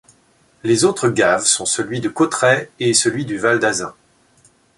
Les autres gaves sont celui de Cauterets et celui du val d'Azun.